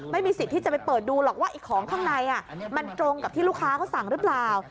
ไม่มีสิทธิ์ที่จะไปเปิดดูหรอกว่าไอ้ของข้างในมันตรงกับที่ลูกค้าเขาสั่งหรือเปล่า